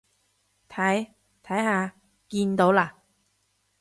睇，睇下，見到啦？